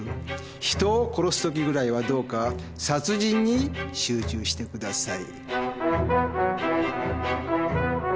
人を殺すときぐらいはどうか殺人に集中してください。